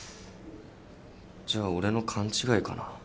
じゃあ俺の勘違いかな。